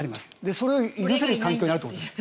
それを許せる環境にあると思います。